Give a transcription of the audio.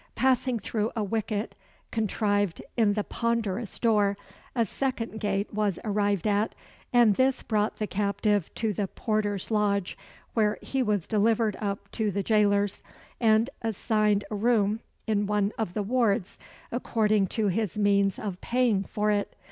Passing through a wicket, contrived in the ponderous door, a second gate was arrived at, and this brought the captive to the porter's lodge, where he was delivered up to the jailers, and assigned a room in one of the wards, according to his means of paying for it.